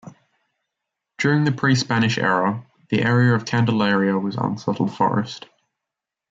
During the pre-Spanish era, the area of Candelaria was unsettled forest.